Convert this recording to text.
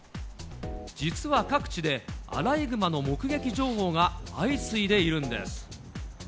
実は各地でアライグマの目撃情報が相次いでいるんです。